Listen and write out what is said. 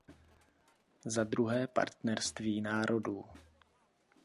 Zadruhé partnerství národů.